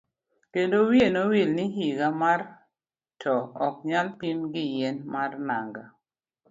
Kendo wiye nowil ni higa mar to ok nyal pim gi nyien mar nanga.